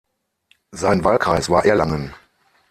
Sein Wahlkreis war Erlangen.